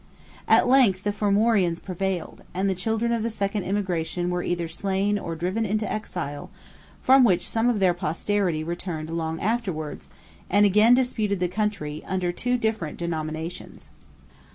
At length the Formorians prevailed, and the children of the second immigration were either slain or driven into exile, from which some of their posterity returned long afterwards, and again disputed the country, under two different denominations.